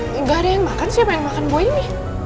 enggak ada yang makan siapa yang makan buah ini